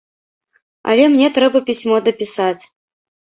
Але мне трэба пісьмо дапісаць.